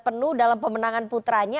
penuh dalam pemenangan putranya